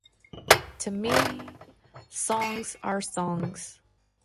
To me songs are songs.